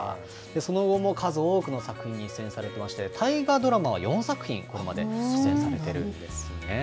その後も数多くの作品に出演されてまして、大河ドラマは４作品、これまで出演されているんですね。